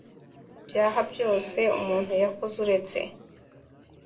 byaha byose umuntu yakoze uretse